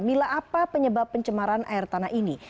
mila apa penyebab pencemaran air tanah ini